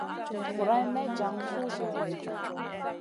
Guroyn may jan suh jorion ɗi.